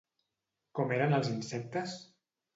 Com eren els insectes?